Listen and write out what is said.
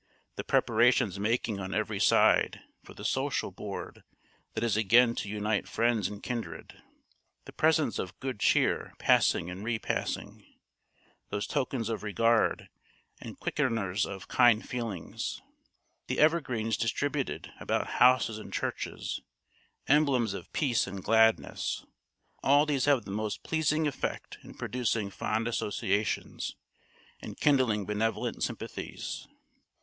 The preparations making on every side for the social board that is again to unite friends and kindred; the presents of good cheer passing and repassing, those tokens of regard, and quickeners of kind feelings; the evergreens distributed about houses and churches, emblems of peace and gladness; all these have the most pleasing effect in producing fond associations, and kindling benevolent sympathies.